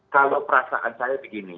kalau perasaan saya begini